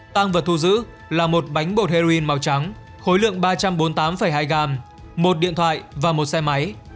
tăng vật thu giữ là một bánh bột heroin màu trắng khối lượng ba trăm bốn mươi tám hai gram một điện thoại và một xe máy